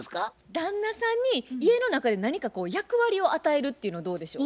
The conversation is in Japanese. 旦那さんに家の中で何か役割を与えるっていうのはどうでしょう？